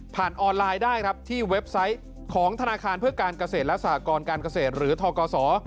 ออนไลน์ได้ครับที่เว็บไซต์ของธนาคารเพื่อการเกษตรและสหกรการเกษตรหรือทกศ